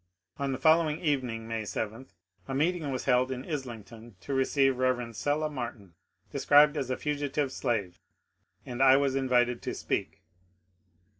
On the following evening, May 7, a meeting was held in Islington to receive Bev. Sella Martin, described as a fugitive slave, and I was invited to speak.